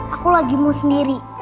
aku lagi mau sendiri